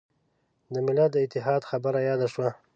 د ملت د اتحاد خبره یاده شوه.